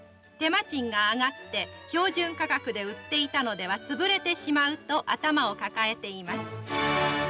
手間賃が上がって標準価格で売っていたのでは潰れてしまうと頭を抱えています。